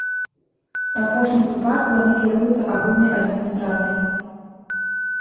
У апошнім выпадку яны кіруюцца агульнай адміністрацыяй.